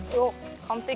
完璧。